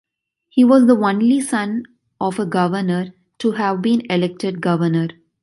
He was the only son of a governor to have been elected governor.